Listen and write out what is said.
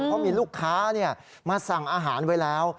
เพราะมีลูกค้ามาสั่งอาหารไว้แล้ว